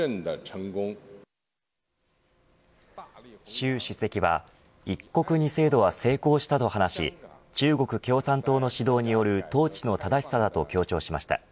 習主席は一国二制度は成功したと話し中国共産党の指導による統治の正しさだと強調しました。